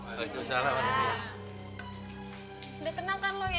udah tenang kan lo ya